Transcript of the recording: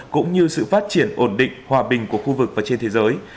cũng như sự phát triển ổn định hòa bình của khu vực và trên thế giới